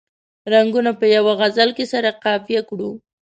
رنګونه په یوه غزل کې سره قافیه کړو.